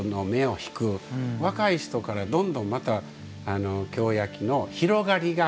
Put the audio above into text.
若い人からどんどんまた京焼の広がりが。